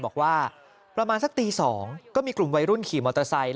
บอกว่าประมาณสักตี๒ก็มีกลุ่มวัยรุ่นขี่มอเตอร์ไซค์